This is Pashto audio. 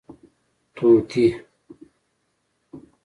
🦜 طوطي